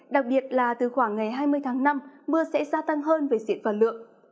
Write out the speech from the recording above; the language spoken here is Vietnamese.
đặc biệt là từ khoảng ngày hai mươi tháng năm mưa sẽ gia tăng hơn về diện và lượng